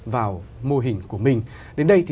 vào mô hình của mình đến đây thì